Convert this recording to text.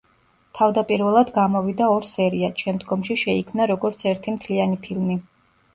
თავდაპირველად გამოვიდა ორ სერიად, შემდგომში შეიქმნა როგორც ერთი მთლიანი ფილმი.